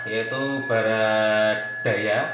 yaitu barat daya